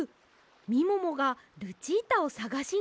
みももがルチータをさがしにいったんです！